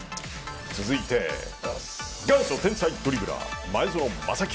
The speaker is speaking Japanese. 続いて、元祖天才ドリブラー前園真聖。